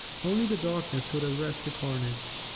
Only the darkness could arrest the carnage.